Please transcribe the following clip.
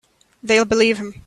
They'll believe him.